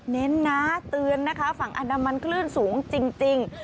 เน้นนะเตือนนะคะฝั่งอันดามันคลื่นสูงจริง